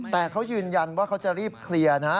แต่เขายืนยันว่าเขาจะรีบเคลียร์นะ